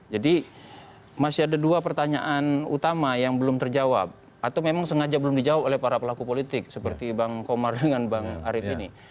jadi masih ada dua pertanyaan utama yang belum terjawab atau memang sengaja belum dijawab oleh para pelaku politik seperti bang komar dengan bang arief ini